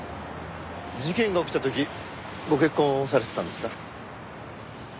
事件が起きた時ご結婚されてたんですか？